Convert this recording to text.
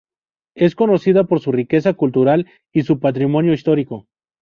Es conocida por su riqueza cultural y su patrimonio histórico.